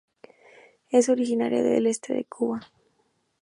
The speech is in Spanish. Es originaria del este de Cuba.